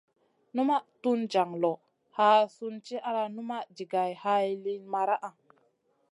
Numaʼ tun jaŋ loʼ, haa sùn di ala numaʼ jigay hay liyn maraʼa.